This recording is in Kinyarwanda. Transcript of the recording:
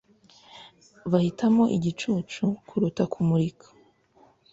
bahitamo igicucu kuruta kumurika